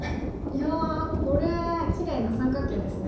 いやこれきれいな三角形ですね。